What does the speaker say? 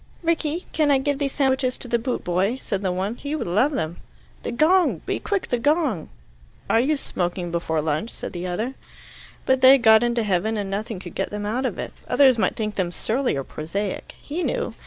"Rickie, can I give these sandwiches to the boot boy?" said the one. "He would love them." "The gong! Be quick! The gong!" "Are you smoking before lunch?" said the other. But they had got into heaven, and nothing could get them out of it. Others might think them surly or prosaic. He knew.